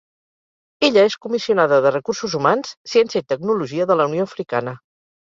Ella és Comissionada de Recursos Humans, Ciència i Tecnologia de la Unió Africana